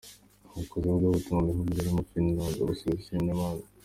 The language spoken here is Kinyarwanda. Yakoze ivugabutumwa mu bihugu birimo Finlande, u Busuwisi n’ahandi.